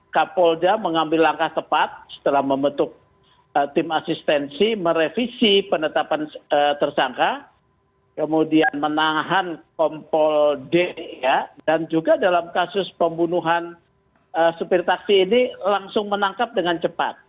kapolda mengambil langkah tepat setelah membentuk tim asistensi merevisi penetapan tersangka kemudian menahan kompol d dan juga dalam kasus pembunuhan supir taksi ini langsung menangkap dengan cepat